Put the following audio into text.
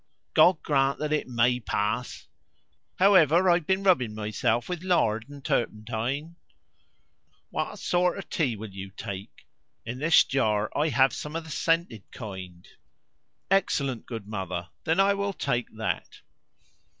"God grant that it MAY pass. However, I have been rubbing myself with lard and turpentine. What sort of tea will you take? In this jar I have some of the scented kind." "Excellent, good mother! Then I will take that."